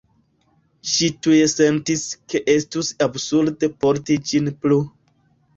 Ŝi tuj sentis ke estus absurde porti ĝin plu.